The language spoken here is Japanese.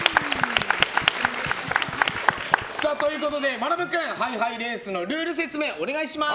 まなぶ君、ハイハイレースのルール説明お願いします。